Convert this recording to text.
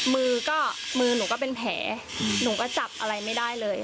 มือก็มือหนูก็เป็นแผลหนูก็จับอะไรไม่ได้เลย